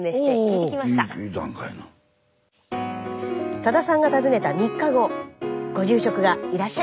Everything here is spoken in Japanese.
さださんが訪ねた３日後ご住職がいらっしゃいました。